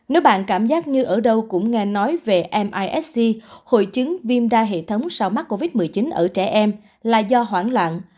nếu bạn cảm giác như ở đâu cũng nghe nói về misc hội chứng viêm đa hệ thống sau mắc covid một mươi chín ở trẻ em là do hoảng loạn